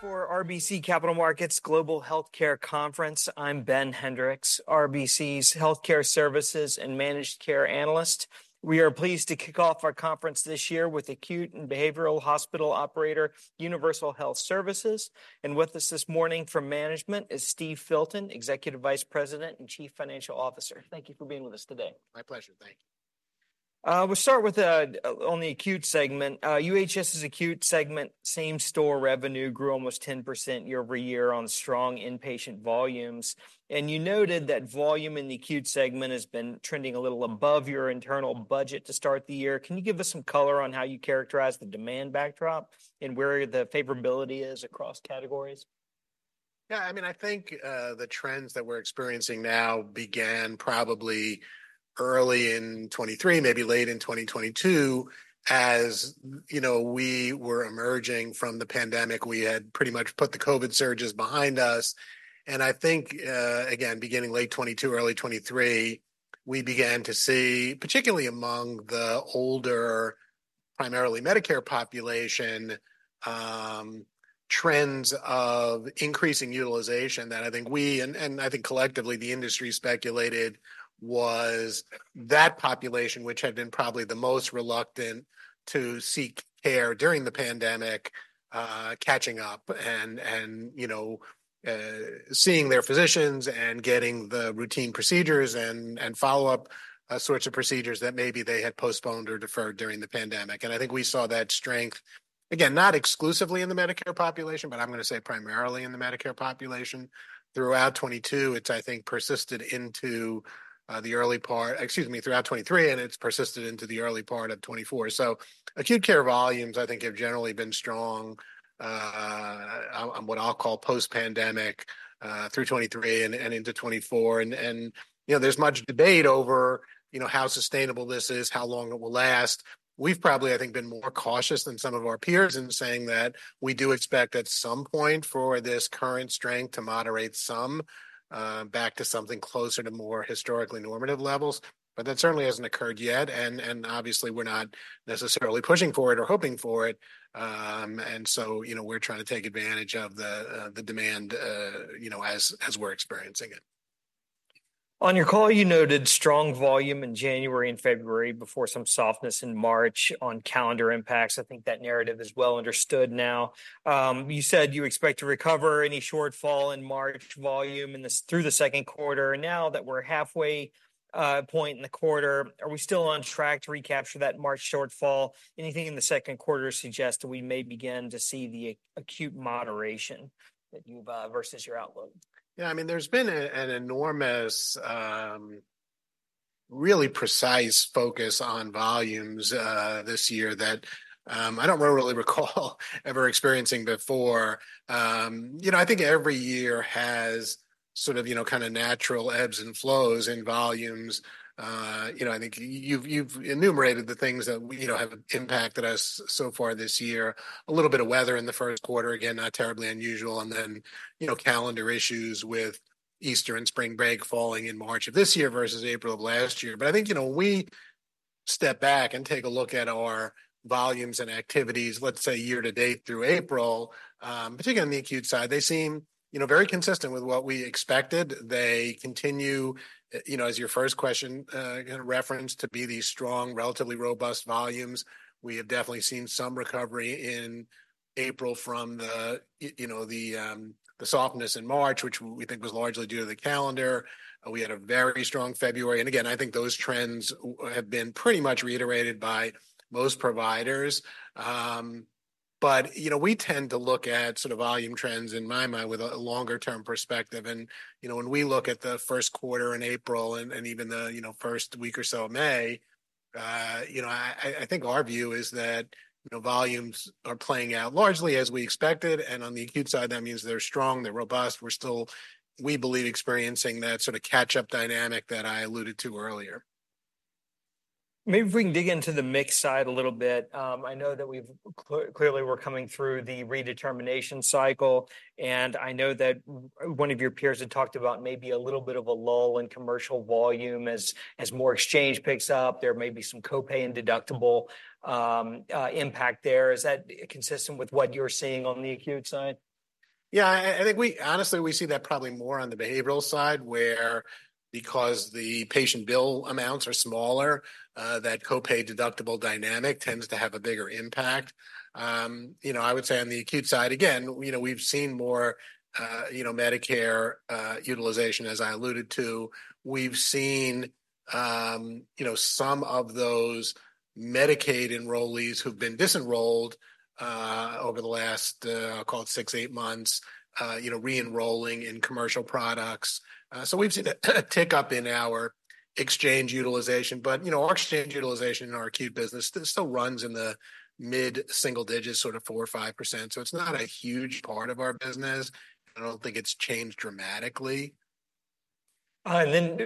For RBC Capital Markets Global Healthcare Conference, I'm Ben Hendrix, RBC's Healthcare Services and Managed Care Analyst. We are pleased to kick off our conference this year with acute and behavioral hospital operator Universal Health Services. With us this morning from management is Steve Filton, Executive Vice President and Chief Financial Officer. Thank you for being with us today. My pleasure. Thank you. We'll start with only the acute segment. UHS's acute segment, same-store revenue, grew almost 10% year-over-year on strong inpatient volumes. You noted that volume in the acute segment has been trending a little above your internal budget to start the year. Can you give us some color on how you characterize the demand backdrop and where the favorability is across categories? Yeah, I mean, I think the trends that we're experiencing now began probably early in 2023, maybe late in 2022, as you know we were emerging from the pandemic. We had pretty much put the COVID surges behind us. And I think, again, beginning late 2022, early 2023, we began to see, particularly among the older, primarily Medicare population, trends of increasing utilization that I think we and I think collectively the industry speculated was that population, which had been probably the most reluctant to seek care during the pandemic, catching up and seeing their physicians and getting the routine procedures and follow-up sorts of procedures that maybe they had postponed or deferred during the pandemic. And I think we saw that strength, again, not exclusively in the Medicare population, but I'm going to say primarily in the Medicare population. Throughout 2022, it's, I think, persisted into the early part—excuse me, throughout 2023, and it's persisted into the early part of 2024. So acute care volumes, I think, have generally been strong on what I'll call post-pandemic through 2023 and into 2024. And there's much debate over how sustainable this is, how long it will last. We've probably, I think, been more cautious than some of our peers in saying that we do expect at some point for this current strength to moderate some back to something closer to more historically normative levels. But that certainly hasn't occurred yet. And obviously, we're not necessarily pushing for it or hoping for it. And so we're trying to take advantage of the demand as we're experiencing it. On your call, you noted strong volume in January and February before some softness in March on calendar impacts. I think that narrative is well understood now. You said you expect to recover any shortfall in March volume through the second quarter. Now that we're halfway point in the quarter, are we still on track to recapture that March shortfall? Anything in the second quarter suggests that we may begin to see the acute moderation that you've versus your outlook? Yeah, I mean, there's been an enormous, really precise focus on volumes this year that I don't really recall ever experiencing before. I think every year has sort of kind of natural ebbs and flows in volumes. I think you've enumerated the things that have impacted us so far this year. A little bit of weather in the first quarter, again, not terribly unusual. And then calendar issues with Easter and spring break falling in March of this year versus April of last year. But I think we step back and take a look at our volumes and activities, let's say, year-to-date through April, particularly on the acute side. They seem very consistent with what we expected. They continue, as your first question kind of referenced, to be these strong, relatively robust volumes. We have definitely seen some recovery in April from the softness in March, which we think was largely due to the calendar. We had a very strong February. And again, I think those trends have been pretty much reiterated by most providers. But we tend to look at sort of volume trends in my mind with a longer-term perspective. And when we look at the first quarter in April and even the first week or so of May, I think our view is that volumes are playing out largely as we expected. And on the acute side, that means they're strong, they're robust. We're still, we believe, experiencing that sort of catch-up dynamic that I alluded to earlier. Maybe if we can dig into the mix side a little bit. I know that we've clearly we're coming through the redetermination cycle. I know that one of your peers had talked about maybe a little bit of a lull in commercial volume as more exchange picks up. There may be some copay and deductible impact there. Is that consistent with what you're seeing on the acute side? Yeah, I think we honestly, we see that probably more on the behavioral side where because the patient bill amounts are smaller, that copay deductible dynamic tends to have a bigger impact. I would say on the acute side, again, we've seen more Medicare utilization, as I alluded to. We've seen some of those Medicaid enrollees who've been disenrolled over the last, I'll call it 6-8 months, re-enrolling in commercial products. So we've seen a tick up in our exchange utilization. But our exchange utilization in our acute business still runs in the mid-single digits, sort of 4% or 5%. So it's not a huge part of our business. I don't think it's changed dramatically. Then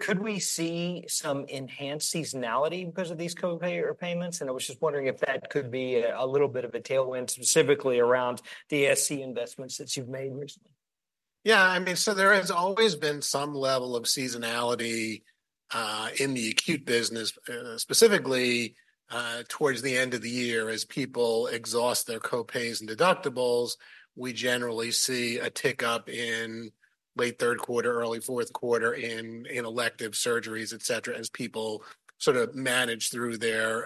could we see some enhanced seasonality because of these copay payments? I was just wondering if that could be a little bit of a tailwind, specifically around ASC investments that you've made recently. Yeah, I mean, so there has always been some level of seasonality in the acute business, specifically towards the end of the year as people exhaust their copays and deductibles. We generally see a tick up in late third quarter, early fourth quarter in elective surgeries, et cetera, as people sort of manage through their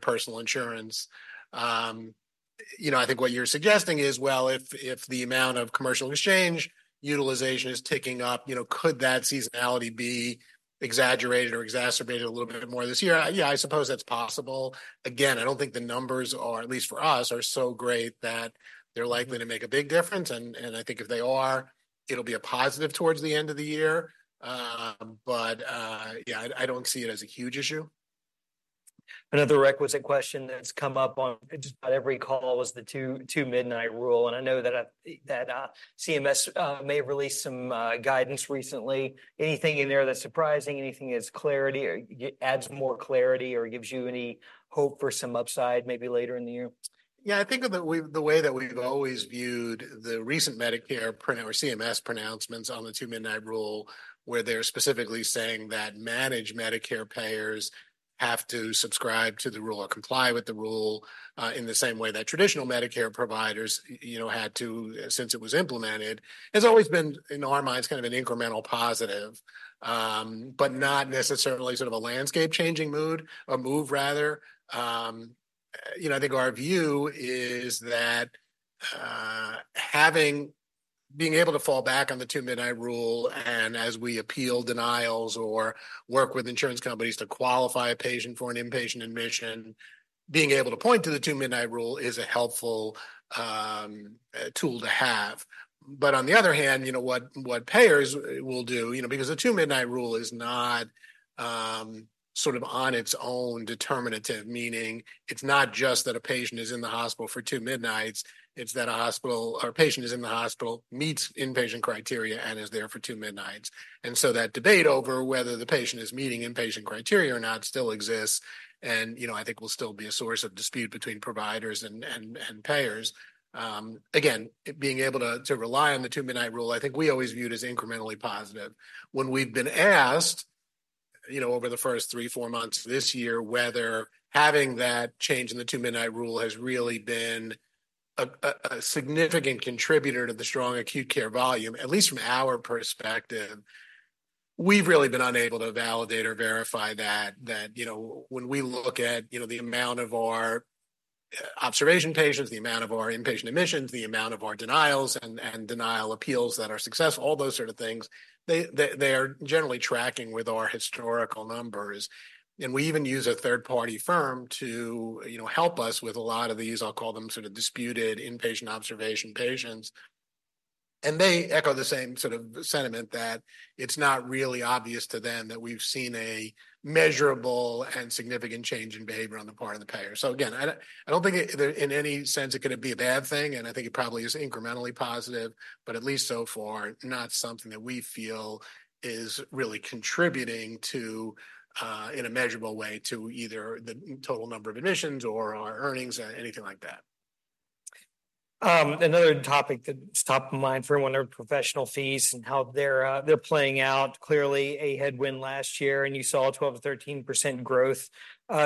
personal insurance. I think what you're suggesting is, well, if the amount of commercial exchange utilization is ticking up, could that seasonality be exaggerated or exacerbated a little bit more this year? Yeah, I suppose that's possible. Again, I don't think the numbers are, at least for us, so great that they're likely to make a big difference. And I think if they are, it'll be a positive towards the end of the year. But yeah, I don't see it as a huge issue. Another requisite question that's come up on just about every call was the Two-Midnight Rule. I know that CMS may have released some guidance recently. Anything in there that's surprising? Anything that adds more clarity or gives you any hope for some upside maybe later in the year? Yeah, I think that the way that we've always viewed the recent Medicare or CMS pronouncements on the Two-Midnight Rule, where they're specifically saying that managed Medicare payers have to subscribe to the rule or comply with the rule in the same way that traditional Medicare providers had to since it was implemented, has always been, in our minds, kind of an incremental positive, but not necessarily sort of a landscape-changing mood, a move rather. I think our view is that being able to fall back on the Two-Midnight Rule and, as we appeal denials or work with insurance companies to qualify a patient for an inpatient admission, being able to point to the Two-Midnight Rule is a helpful tool to have. But on the other hand, what payers will do, because the Two-Midnight Rule is not sort of on its own determinative, meaning it's not just that a patient is in the hospital for two midnights, it's that a hospital or a patient is in the hospital, meets inpatient criteria, and is there for two midnights. And so that debate over whether the patient is meeting inpatient criteria or not still exists. And I think will still be a source of dispute between providers and payers. Again, being able to rely on the Two-Midnight Rule, I think we always viewed as incrementally positive. When we've been asked over the first 3, 4 months this year whether having that change in the Two-Midnight Rule has really been a significant contributor to the strong acute care volume, at least from our perspective, we've really been unable to validate or verify that. When we look at the amount of our observation patients, the amount of our inpatient admissions, the amount of our denials and denial appeals that are successful, all those sort of things, they are generally tracking with our historical numbers. We even use a third-party firm to help us with a lot of these, I'll call them sort of disputed inpatient observation patients. They echo the same sort of sentiment that it's not really obvious to them that we've seen a measurable and significant change in behavior on the part of the payer. Again, I don't think in any sense it could be a bad thing. I think it probably is incrementally positive, but at least so far, not something that we feel is really contributing in a measurable way to either the total number of admissions or our earnings or anything like that. Another topic that's top of mind for everyone, our professional fees and how they're playing out. Clearly, a headwind last year, and you saw a 12%-13% growth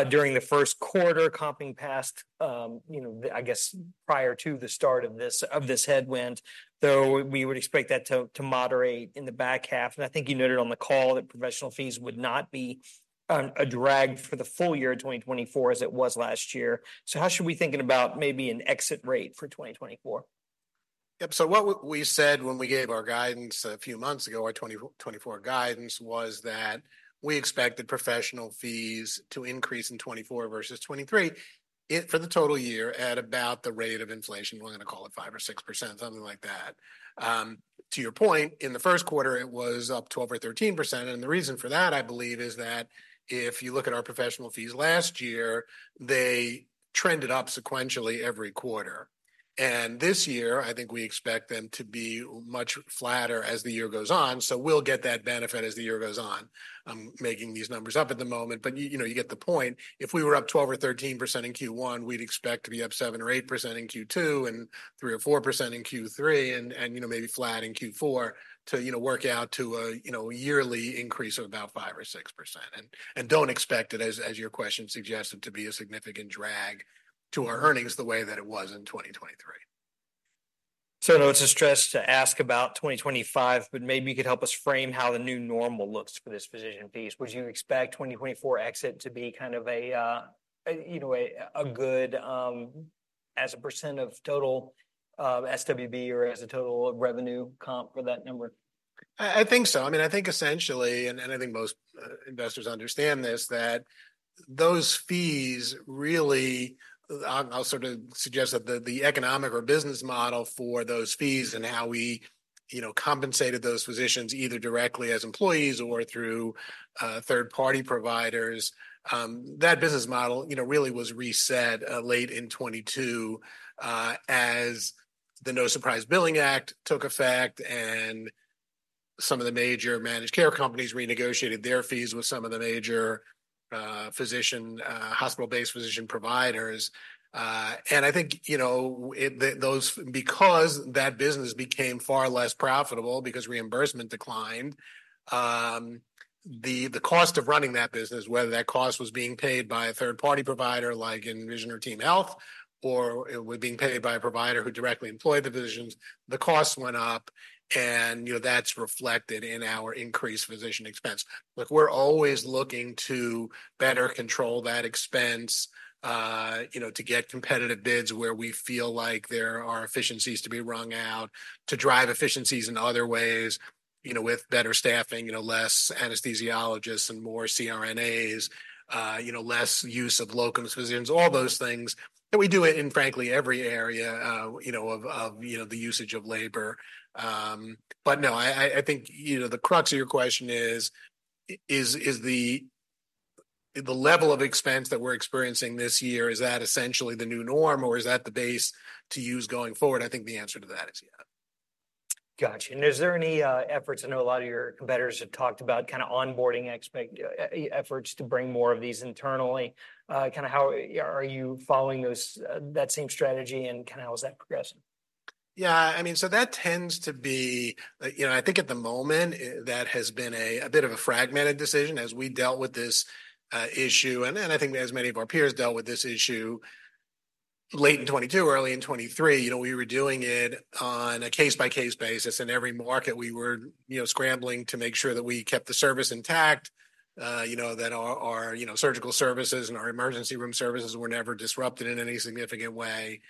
during the first quarter comping past, I guess, prior to the start of this headwind, though we would expect that to moderate in the back half. I think you noted on the call that professional fees would not be dragged for the full year of 2024 as it was last year. So how should we be thinking about maybe an exit rate for 2024? Yep, so what we said when we gave our guidance a few months ago, our 2024 guidance, was that we expected professional fees to increase in 2024 versus 2023 for the total year at about the rate of inflation, we're going to call it 5%-6%, something like that. To your point, in the first quarter, it was up 12%-13%. And the reason for that, I believe, is that if you look at our professional fees last year, they trended up sequentially every quarter. And this year, I think we expect them to be much flatter as the year goes on. So we'll get that benefit as the year goes on. I'm making these numbers up at the moment, but you get the point. If we were up 12% or 13% in Q1, we'd expect to be up 7% or 8% in Q2 and 3% or 4% in Q3 and maybe flat in Q4 to work out to a yearly increase of about 5% or 6%. Don't expect it, as your question suggested, to be a significant drag to our earnings the way that it was in 2023. I know it's a stress to ask about 2025, but maybe you could help us frame how the new normal looks for this physician piece. Would you expect 2024 exit to be kind of a good as a % of total SWB or as a total revenue comp for that number? I think so. I mean, I think essentially, and I think most investors understand this, that those fees really I'll sort of suggest that the economic or business model for those fees and how we compensated those physicians either directly as employees or through third-party providers, that business model really was reset late in 2022 as the No Surprises Act took effect and some of the major managed care companies renegotiated their fees with some of the major hospital-based physician providers. And I think because that business became far less profitable because reimbursement declined, the cost of running that business, whether that cost was being paid by a third-party provider like Envision or TeamHealth or it was being paid by a provider who directly employed the physicians, the cost went up. And that's reflected in our increased physician expense. Look, we're always looking to better control that expense to get competitive bids where we feel like there are efficiencies to be wrung out, to drive efficiencies in other ways with better staffing, less anesthesiologists and more CRNAs, less use of locums physicians, all those things. And we do it in, frankly, every area of the usage of labor. But no, I think the crux of your question is, is the level of expense that we're experiencing this year, is that essentially the new norm or is that the base to use going forward? I think the answer to that is yes. Gotcha. Is there any efforts? I know a lot of your competitors have talked about kind of onboarding efforts to bring more of these internally. Kind of how are you following that same strategy and kind of how is that progressing? Yeah, I mean, so that tends to be, I think at the moment, that has been a bit of a fragmented decision as we dealt with this issue. And I think as many of our peers dealt with this issue late in 2022, early in 2023, we were doing it on a case-by-case basis. In every market, we were scrambling to make sure that we kept the service intact, that our surgical services and our emergency room services were never disrupted in any significant way.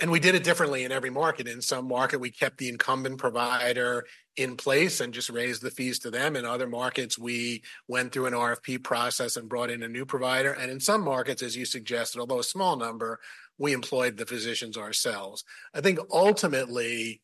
And we did it differently in every market. In some market, we kept the incumbent provider in place and just raised the fees to them. In other markets, we went through an RFP process and brought in a new provider. And in some markets, as you suggested, although a small number, we employed the physicians ourselves. I think ultimately,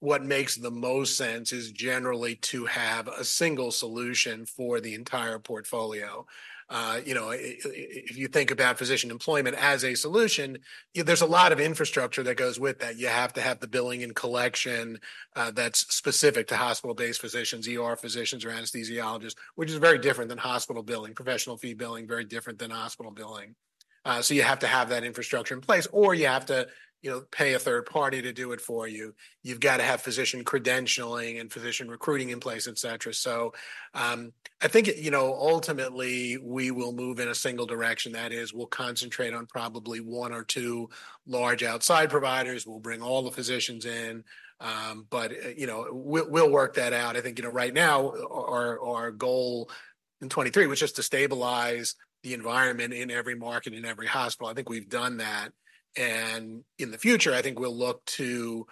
what makes the most sense is generally to have a single solution for the entire portfolio. If you think about physician employment as a solution, there's a lot of infrastructure that goes with that. You have to have the billing and collection that's specific to hospital-based physicians, physicians, or anesthesiologists, which is very different than hospital billing, professional fee billing, very different than hospital billing. So you have to have that infrastructure in place or you have to pay a third party to do it for you. You've got to have physician credentialing and physician recruiting in place, et cetera. So I think ultimately, we will move in a single direction. That is, we'll concentrate on probably one or two large outside providers. We'll bring all the physicians in. But we'll work that out. I think right now, our goal in 2023 was just to stabilize the environment in every market and every hospital. I think we've done that. In the future, I think we'll look to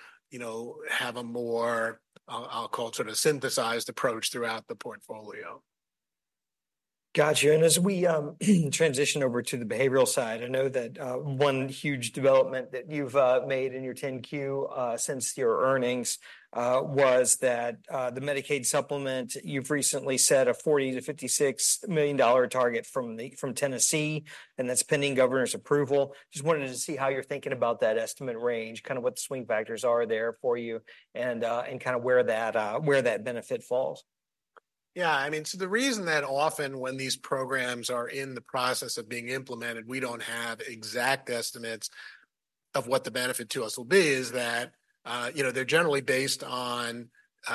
have a more, I'll call it, sort of synthesized approach throughout the portfolio. Gotcha. And as we transition over to the behavioral side, I know that one huge development that you've made in your 10-Q since your earnings was that the Medicaid supplement, you've recently set a $40 million-$56 million target from Tennessee, and that's pending governor's approval. Just wanted to see how you're thinking about that estimate range, kind of what the swing factors are there for you and kind of where that benefit falls. Yeah, I mean, so the reason that often when these programs are in the process of being implemented, we don't have exact estimates of what the benefit to us will be is that they're generally based on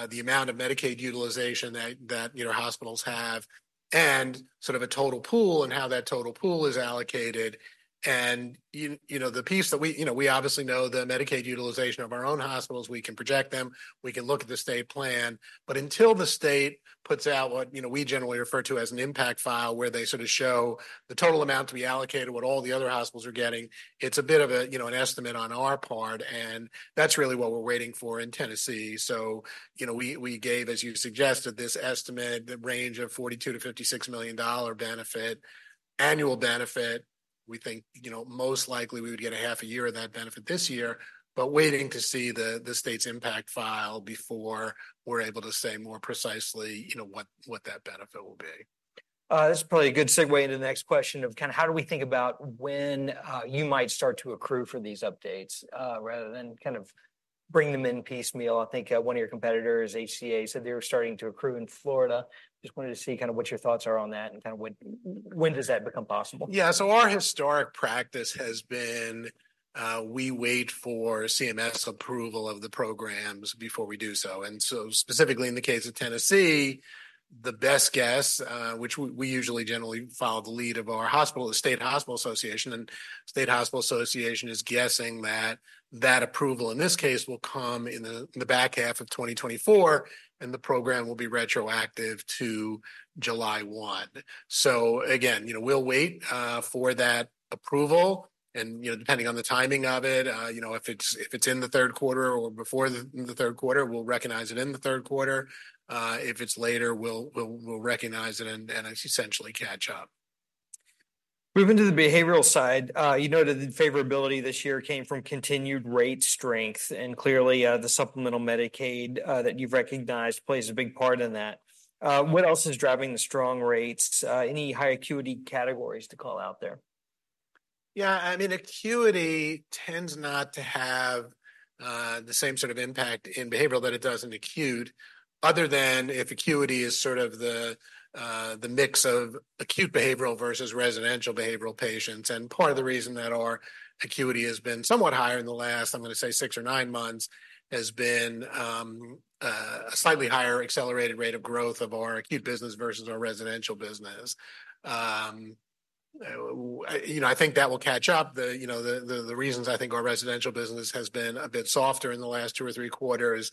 the amount of Medicaid utilization that hospitals have and sort of a total pool and how that total pool is allocated. And the piece that we obviously know the Medicaid utilization of our own hospitals, we can project them, we can look at the state plan. But until the state puts out what we generally refer to as an impact file where they sort of show the total amount to be allocated, what all the other hospitals are getting, it's a bit of an estimate on our part. And that's really what we're waiting for in Tennessee. So we gave, as you suggested, this estimate, the range of $42 million-$56 million benefit, annual benefit. We think most likely we would get a half a year of that benefit this year, but waiting to see the state's impact file before we're able to say more precisely what that benefit will be. This is probably a good segue into the next question of kind of how do we think about when you might start to accrue for these updates rather than kind of bring them in piecemeal. I think one of your competitors, HCA, said they were starting to accrue in Florida. Just wanted to see kind of what your thoughts are on that and kind of when does that become possible? Yeah, so our historic practice has been we wait for CMS approval of the programs before we do so. And so specifically in the case of Tennessee, the best guess, which we usually generally follow the lead of our hospital, the State Hospital Association, and State Hospital Association is guessing that that approval in this case will come in the back half of 2024 and the program will be retroactive to July 1. So again, we'll wait for that approval. And depending on the timing of it, if it's in the third quarter or before the third quarter, we'll recognize it in the third quarter. If it's later, we'll recognize it and essentially catch up. Moving to the behavioral side, you noted the favorability this year came from continued rate strength. Clearly, the supplemental Medicaid that you've recognized plays a big part in that. What else is driving the strong rates? Any high acuity categories to call out there? Yeah, I mean, acuity tends not to have the same sort of impact in behavioral that it does in acute other than if acuity is sort of the mix of acute behavioral versus residential behavioral patients. And part of the reason that our acuity has been somewhat higher in the last, I'm going to say 6 or 9 months, has been a slightly higher accelerated rate of growth of our acute business versus our residential business. I think that will catch up. The reasons I think our residential business has been a bit softer in the last 2 or 3 quarters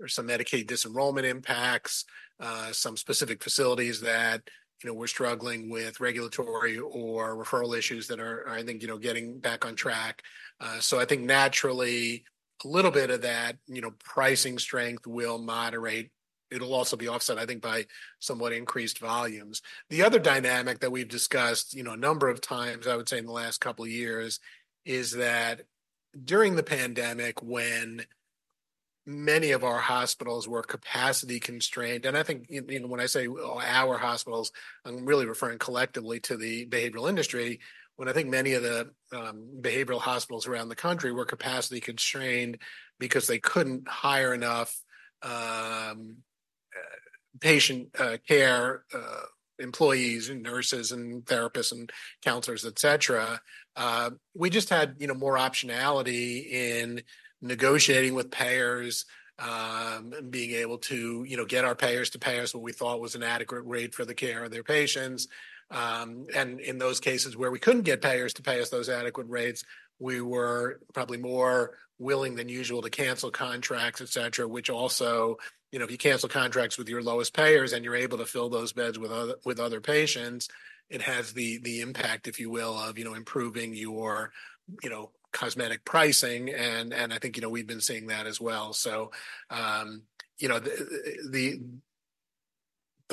are some Medicaid disenrollment impacts, some specific facilities that we're struggling with, regulatory or referral issues that are, I think, getting back on track. So I think naturally, a little bit of that pricing strength will moderate. It'll also be offset, I think, by somewhat increased volumes. The other dynamic that we've discussed a number of times, I would say in the last couple of years, is that during the pandemic when many of our hospitals were capacity constrained. I think when I say our hospitals, I'm really referring collectively to the behavioral industry. When I think many of the behavioral hospitals around the country were capacity constrained because they couldn't hire enough patient care, employees, and nurses, and therapists, and counselors, et cetera, we just had more optionality in negotiating with payers and being able to get our payers to pay us what we thought was an adequate rate for the care of their patients. And in those cases where we couldn't get payers to pay us those adequate rates, we were probably more willing than usual to cancel contracts, et cetera, which also has the impact, if you will, of improving your case mix pricing. I think we've been seeing that as well. So the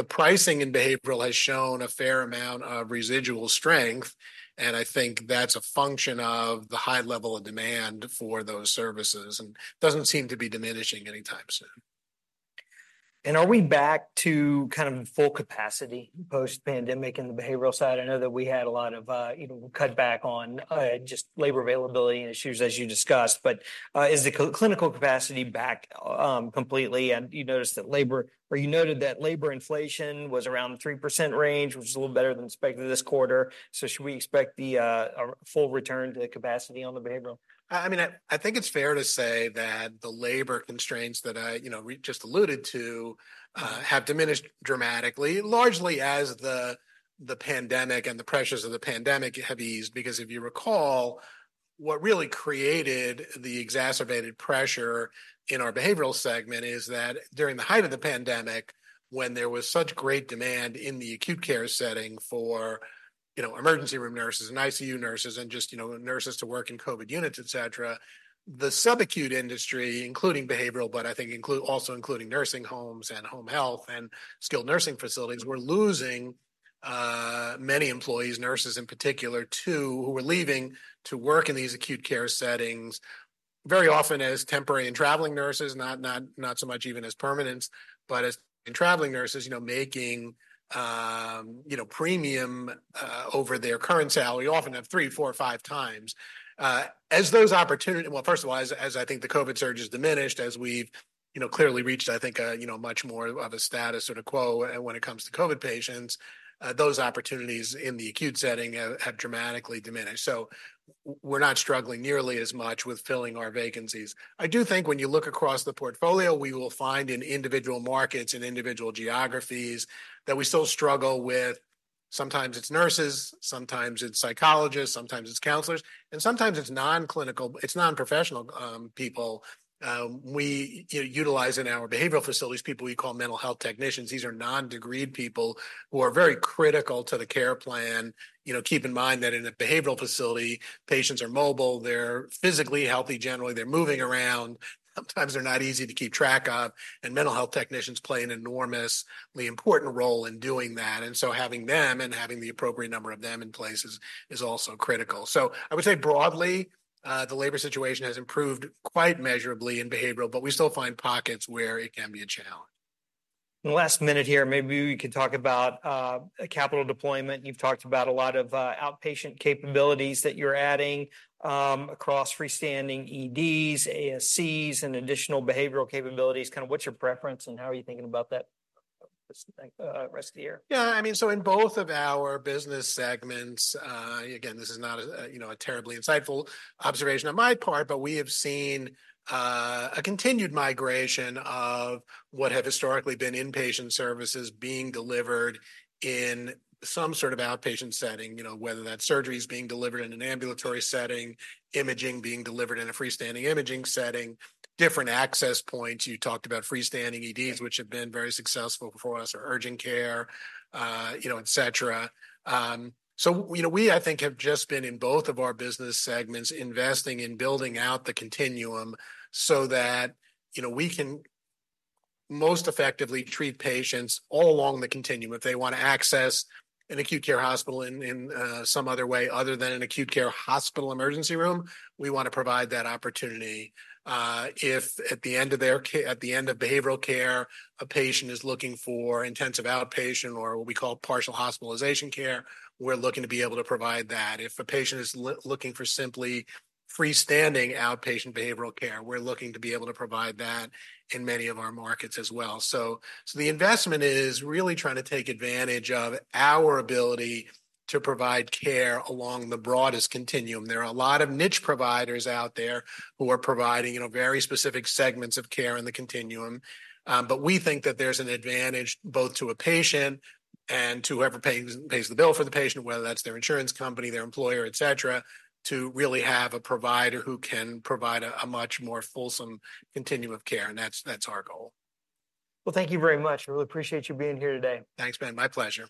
pricing in behavioral has shown a fair amount of residual strength. I think that's a function of the high level of demand for those services and doesn't seem to be diminishing anytime soon. Are we back to kind of full capacity post-pandemic in the behavioral side? I know that we had a lot of cutback on just labor availability and issues, as you discussed. Is the clinical capacity back completely? You noticed that labor or you noted that labor inflation was around the 3% range, which is a little better than expected this quarter. Should we expect a full return to capacity on the behavioral? I mean, I think it's fair to say that the labor constraints that I just alluded to have diminished dramatically, largely as the pandemic and the pressures of the pandemic have eased. Because if you recall, what really created the exacerbated pressure in our behavioral segment is that during the height of the pandemic, when there was such great demand in the acute care setting for emergency room nurses and ICU nurses and just nurses to work in COVID units, et cetera, the subacute industry, including behavioral, but I think also including nursing homes and home health and skilled nursing facilities, were losing many employees, nurses in particular, too, who were leaving to work in these acute care settings, very often as temporary and traveling nurses, not so much even as permanents, but as traveling nurses making premium over their current salary, often at 3, 4, or 5 times. As those opportunities, well, first of all, as I think the COVID surge has diminished, as we've clearly reached, I think, much more of a status quo when it comes to COVID patients, those opportunities in the acute setting have dramatically diminished. So we're not struggling nearly as much with filling our vacancies. I do think when you look across the portfolio, we will find in individual markets and individual geographies that we still struggle with sometimes it's nurses, sometimes it's psychologists, sometimes it's counselors, and sometimes it's non-clinical, it's non-professional people. We utilize in our behavioral facilities people we call mental health technicians. These are non-degreed people who are very critical to the care plan. Keep in mind that in a behavioral facility, patients are mobile. They're physically healthy generally. They're moving around. Sometimes they're not easy to keep track of mental health technicians play an enormously important role in doing that. And so having them and having the appropriate number of them in place is also critical. So I would say broadly, the labor situation has improved quite measurably in behavioral, but we still find pockets where it can be a challenge. In the last minute here, maybe we could talk about capital deployment. You've talked about a lot of outpatient capabilities that you're adding across freestanding EDs, ASCs, and additional behavioral capabilities. Kind of what's your preference and how are you thinking about that this rest of the year? Yeah, I mean, so in both of our business segments, again, this is not a terribly insightful observation on my part, but we have seen a continued migration of what have historically been inpatient services being delivered in some sort of outpatient setting, whether that surgery is being delivered in an ambulatory setting, imaging being delivered in a freestanding imaging setting, different access points. You talked about freestanding EDs, which have been very successful for us, or urgent care, et cetera. So we, I think, have just been in both of our business segments investing in building out the continuum so that we can most effectively treat patients all along the continuum. If they want to access an acute care hospital in some other way other than an acute care hospital emergency room, we want to provide that opportunity. If at the end of their behavioral care, a patient is looking for intensive outpatient or what we call partial hospitalization care, we're looking to be able to provide that. If a patient is looking for simply freestanding outpatient behavioral care, we're looking to be able to provide that in many of our markets as well. So the investment is really trying to take advantage of our ability to provide care along the broadest continuum. There are a lot of niche providers out there who are providing very specific segments of care in the continuum. But we think that there's an advantage both to a patient and to whoever pays the bill for the patient, whether that's their insurance company, their employer, et cetera, to really have a provider who can provide a much more fulsome continuum of care. And that's our goal. Well, thank you very much. I really appreciate you being here today. Thanks, Ben. My pleasure.